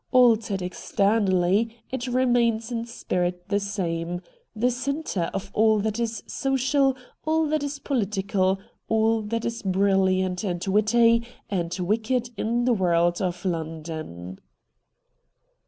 Altered externally, it remains in spirit the same — the centre of all that is social, all that is political, all that is brilhant, and witty, and wicked in the world of London.